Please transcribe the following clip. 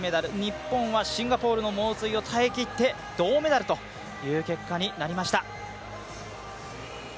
日本はシンガポールの猛追を耐えきって銅メダルという結果になりました。